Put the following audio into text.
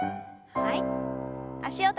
はい。